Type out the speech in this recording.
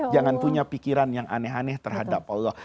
jangan punya pikiran yang aneh aneh terhadap allah